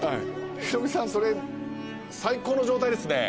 ヒロミさんそれ最高の状態ですね。